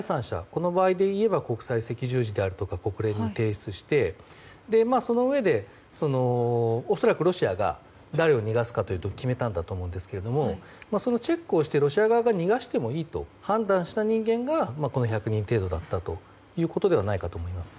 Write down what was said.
この場合で言えば国際赤十字であるとか国連に提出してそのうえで、恐らくロシアが誰を逃がすのかというのを決めたんだと思うんですけどそのチェックをしてロシア側が逃がしてもいいと判断した人間がこの１００人程度だったということではないかと思います。